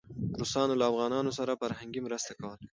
روسان له افغانانو سره فرهنګي مرسته کوله.